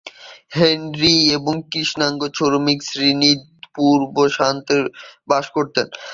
Henry এক কৃষ্ণাঙ্গ শ্রমিক শ্রেণীর পূর্ব প্রান্তে বাস করতেন।